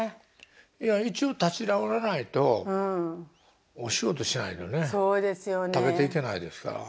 いや一応立ち直らないとお仕事しないとね食べていけないですから。